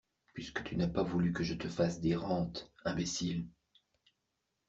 Puisque tu n’as pas voulu que je te fasse des rentes, imbécile !…